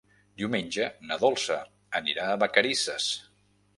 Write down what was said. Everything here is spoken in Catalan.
Diumenge na Dolça anirà a Vacarisses.